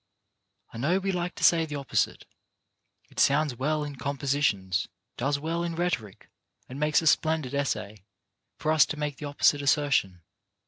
I know we like to say the opposite. It sounds well in compositions, does well in rhetoric, and makes a splendid essay, for us to make the opposite assertion.